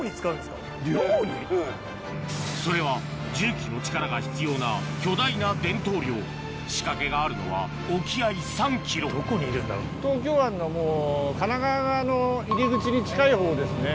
それは重機の力が必要な巨大な伝統漁仕掛けがあるのは沖合３ｋｍどこにいるんだろう？に近いほうですね。